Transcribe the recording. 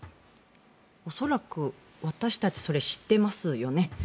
恐らく私たちそれ、知っていますよね。